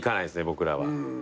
僕らは。